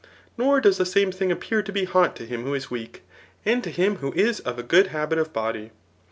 nor does the same thing appear to be hot to him who is weak, and to him who is of a good habit of body.